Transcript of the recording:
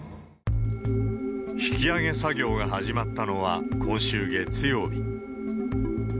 引き揚げ作業が始まったのは今週月曜日。